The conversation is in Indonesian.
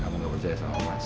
kamu gak percaya sama emas